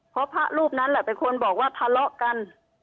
เพราะพระรูปนั้นแหละเป็นคนบอกว่าทะเลาะกัน